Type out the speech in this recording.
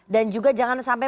dan juga jangan sampai